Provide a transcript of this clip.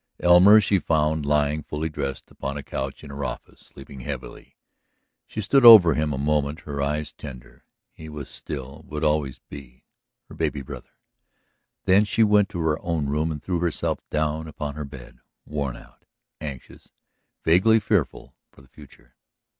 Elmer she found lying fully dressed upon a couch in her office, sleeping heavily. She stood over him a moment, her eyes tender; he was still, would always be, her baby brother. Then she went to her own room and threw herself down upon her bed, worn out, anxious, vaguely fearful for the future.